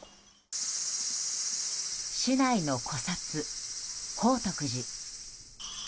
市内の古刹、宝徳寺。